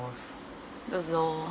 どうぞ。